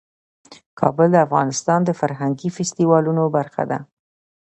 کابل د افغانستان د فرهنګي فستیوالونو برخه ده.